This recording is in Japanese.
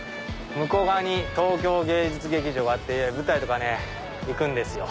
向こう側に東京芸術劇場があって舞台とか行くんですよ。